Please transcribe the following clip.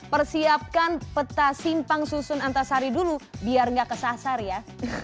persiapkan peta simpang susun antasari dulu biar nggak kesasar ya